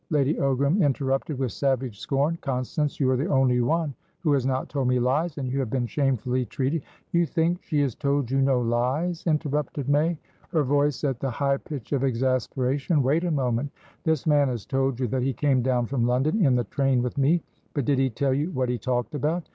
Lady Ogram interrupted, with savage scorn. "Constance, you are the only one who has not told me lies, and you have been shamefully treated" "You think she has told you no lies?" interrupted May, her voice at the high pitch of exasperation. "Wait a moment. This man has told you that he came down from London in the train with me; but did he tell you what he talked about?